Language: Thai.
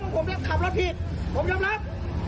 ไม่ต้องเอาคนจุดมะอาดมันอยู่ในตัวถึง